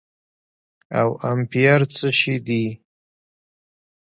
او امپير څه شي دي